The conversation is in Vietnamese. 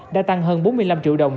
đã tăng hơn bốn mươi năm triệu đồng